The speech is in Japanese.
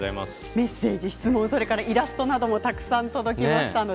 メッセージや質問、イラストもたくさん届きました。